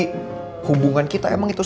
perasaan saya ke putri rasa sayang saya ke putri